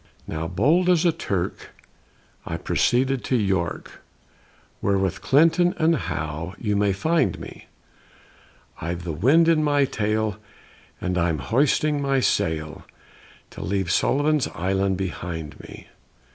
Now, bold as a Turk, I proceeded to York, Where, with Clinton and Howe, you may find me: I've the wind in my tail, And am hoisting my sail, To leave Sullivan's Island behind me.